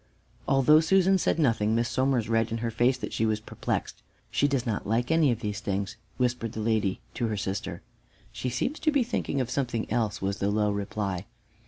Although Susan said nothing, Miss Somers read in her face that she was perplexed. "She does not like any of these things," whispered the lady to her sister. "She seems to be thinking of something else," was the low reply.